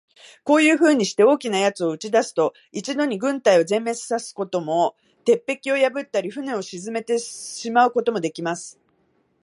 こういうふうにして、大きな奴を打ち出すと、一度に軍隊を全滅さすことも、鉄壁を破ったり、船を沈めてしまうこともできます。